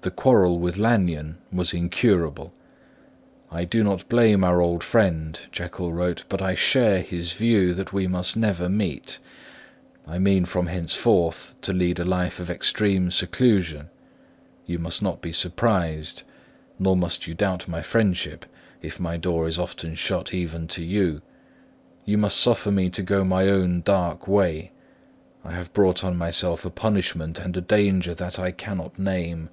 The quarrel with Lanyon was incurable. "I do not blame our old friend," Jekyll wrote, "but I share his view that we must never meet. I mean from henceforth to lead a life of extreme seclusion; you must not be surprised, nor must you doubt my friendship, if my door is often shut even to you. You must suffer me to go my own dark way. I have brought on myself a punishment and a danger that I cannot name.